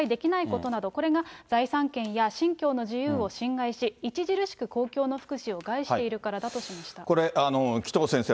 理由としては、過大な献金など、簡単には脱会できないことなど、これが財産権や信教の自由を侵害し、著しく公共の福祉を害しているからだとしました。